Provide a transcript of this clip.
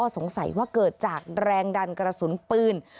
สงสัยว่าเกิดจากแรงดันกระสุนปืน